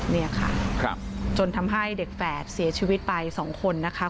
นี่ค่ะจนทำให้เด็กแฝดเสียชีวิตไป๒คนนะคะ